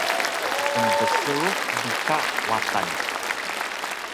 embsrux bi ka Watan